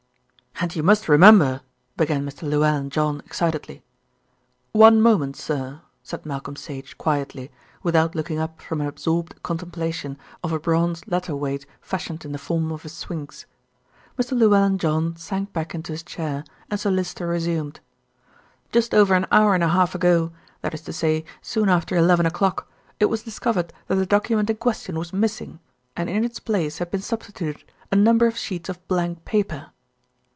"And you must remember " began Mr. Llewellyn John excitedly. "One moment, sir," said Malcolm Sage quietly, without looking up from an absorbed contemplation of a bronze letter weight fashioned in the form of a sphinx. Mr. Llewellyn John sank back into his chair, and Sir Lyster resumed. "Just over an hour and a half ago, that is to say soon after eleven o'clock, it was discovered that the document in question was missing, and in its place had been substituted a number of sheets of blank paper."